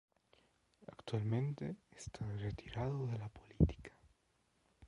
Actualmente está retirado de la política.